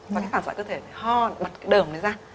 và cái phản xạ cơ thể phải ho bật cái đờm này ra